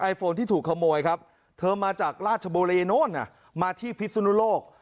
โฟนที่ถูกขโมยครับเธอมาจากราชบุรีโน้นมาที่พิสุนุโลก